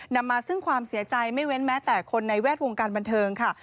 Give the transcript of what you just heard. นำมาซึ่งความเสียใจไม่เว้นแม้แต่คนในแวดวงการบันเทิงค่ะ